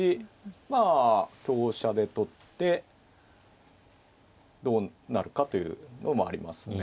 まあ香車で取ってどうなるかというのもありますので。